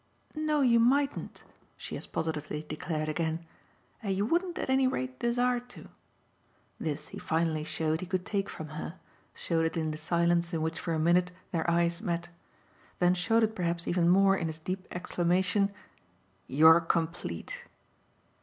"No, you mightn't," she as positively declared again, "and you wouldn't at any rate desire to." This he finally showed he could take from her showed it in the silence in which for a minute their eyes met; then showed it perhaps even more in his deep exclamation: "You're complete!"